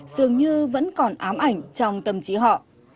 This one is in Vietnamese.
dường như vẫn còn ám ảnh trong tâm trí họ